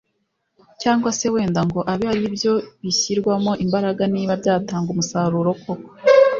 cyangwa se wenda ngo abe ari ibyo bishyirwamo imbaraga niba byatanga umusaruro koko